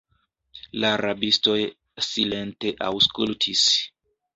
La rabistoj silente aŭskultis.